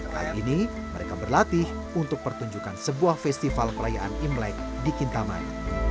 kali ini mereka berlatih untuk pertunjukan sebuah festival perayaan imlek di kintaman